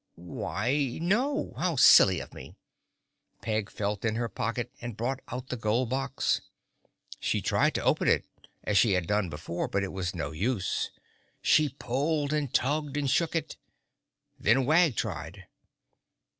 "Why, no! How silly of me!" Peg felt in her pocket and brought out the gold box. She tried to open it as she had done before but it was no use. She pulled and tugged and shook it. Then Wag tried.